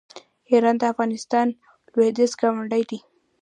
ایران د افغانستان لویدیځ ګاونډی دی.